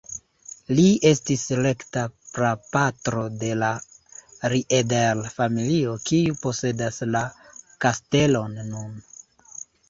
Li estis rekta prapatro de la Rieder-familio kiu posedas la kastelon nun.